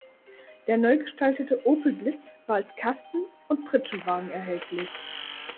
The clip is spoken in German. Der neu gestaltete Opel Blitz war als Kasten- und Pritschenwagen erhältlich.